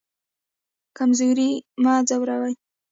کمزوری مه ځوروئ